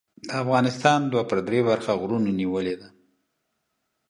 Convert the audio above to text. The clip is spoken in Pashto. د افغانستان دوه پر درې برخه غرونو نیولې ده.